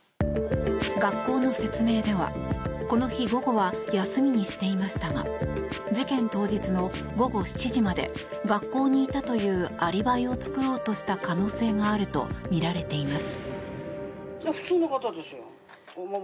学校の説明ではこの日、午後は休みにしていましたが事件当日の午後７時まで学校にいたというアリバイを作ろうとした可能性があるとみられています。